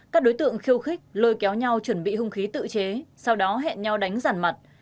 các đối tượng khiêu khích lôi kéo nhau chuẩn bị hung khí tự chế sau đó hẹn nhau đánh rằn mặt